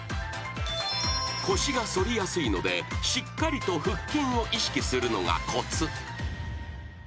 ［腰が反りやすいのでしっかりと腹筋を意識するのがコツ］